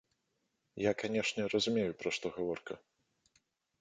Я, канешне, разумею, пра што гаворка.